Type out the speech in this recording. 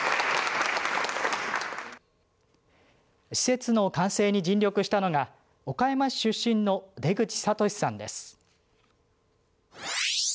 施設の完成に尽力したのが岡山市出身の出口智嗣さんです。